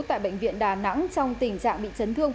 tại bệnh viện đà nẵng trong tình trạng bị chấn thương